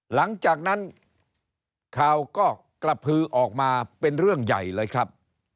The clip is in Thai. หลังจากนั้นข่าวก็กระพือออกมาเป็นเรื่องใหญ่เลยครับ